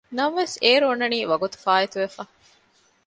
ނަމަވެސް އޭރު އޮންނަނީ ވަގުތުފާއިތުވެފަ